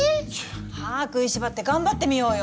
歯食いしばって頑張ってみようよ。